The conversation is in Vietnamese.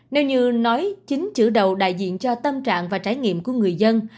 nếu như nói chính chữ đầu đại diện cho tâm trạng và trải nghiệm của người dân